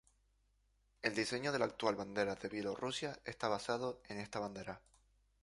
El diseño de la actual bandera de Bielorrusia está basado en esta bandera.